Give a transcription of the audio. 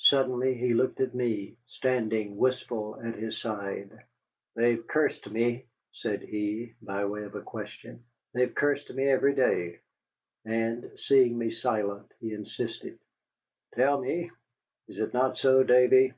Suddenly he looked at me, standing wistful at his side. "They have cursed me," said he, by way of a question, "they have cursed me every day." And seeing me silent, he insisted, "Tell me, is it not so, Davy?"